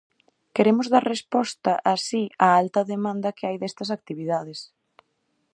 Queremos dar resposta así á alta demanda que hai destas actividades.